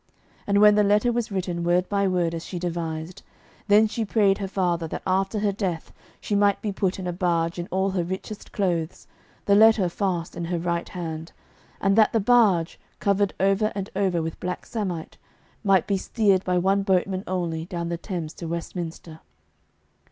And when the letter was written word by word as she devised, then she prayed her father that after her death she might be put in a barge in all her richest clothes, the letter fast in her right hand, and that the barge, covered over and over with black samite, might be steered by one boatman only down the Thames to Westminster.